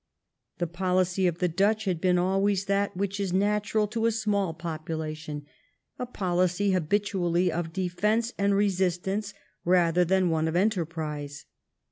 The policy of the Dutch had been always that which is natural to a small population ; a policy habitually of defence and resistance rather than one of enterprise.